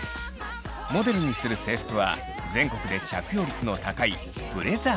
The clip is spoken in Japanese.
モデルにする制服は全国で着用率の高いブレザーです。